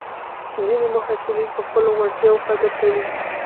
ځینې محصلین د خپلو وړتیاوو قدر کوي.